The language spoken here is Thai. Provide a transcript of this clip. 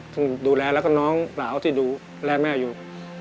ซึ่งดูแลแล้วก็น้องสาวที่ดูแลแม่อยู่